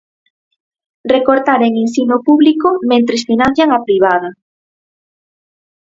Recortar en ensino público mentres financian a privada.